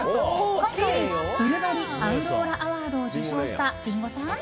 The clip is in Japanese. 今回、ブルガリアウローラアワードを受賞したリンゴさん。